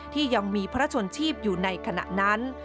ที่ยังมีพระชนชีพอยู่ในขณะนั้น